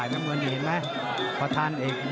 สมัสของเขาครับ